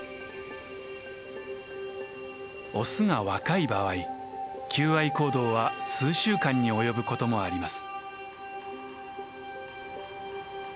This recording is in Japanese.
オスが若い場合求愛行動は数週間に及ぶこともあります。